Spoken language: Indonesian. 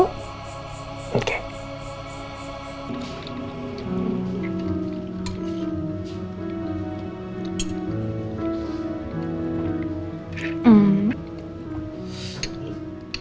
oke kita makan dulu ya